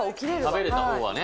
食べれたほうはね。